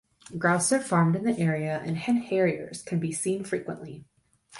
Grouse are farmed in the area and hen harriers can be seen frequently.